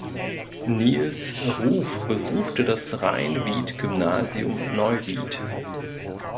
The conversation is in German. Niels Ruf besuchte das Rhein-Wied-Gymnasium Neuwied.